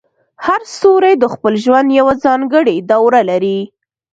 هر ستوری د خپل ژوند یوه ځانګړې دوره لري.